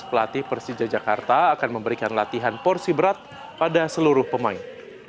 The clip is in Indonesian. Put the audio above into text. pelatih persija jakarta akan memberikan latihan porsi berat pada seluruh pemain